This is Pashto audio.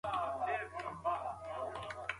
آیا پوهېږئ چې د خوب کمښت د وزن د زیاتوالي یو لامل دی؟